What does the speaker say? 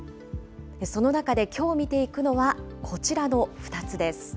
その中できょう見ていくのは、こちらの２つです。